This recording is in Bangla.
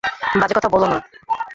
বাজে কথা বোলো না।